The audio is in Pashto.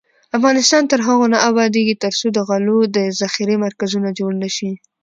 افغانستان تر هغو نه ابادیږي، ترڅو د غلو د ذخیرې مرکزونه جوړ نشي.